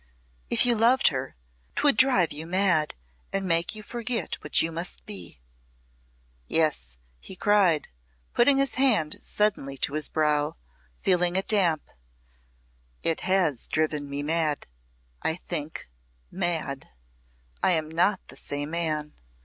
"If you loved her 'twould drive you mad and make you forget what you must be." "Yes," he cried, putting his hand suddenly to his brow, feeling it damp, "it has driven me mad, I think mad. I am not the same man!